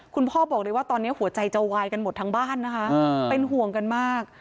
คุณพ่อบอกเลยว่าตอนนี้หัวใจจะวายกันหมดทั้งบ้านนะคะเป็นห่วงกันมาก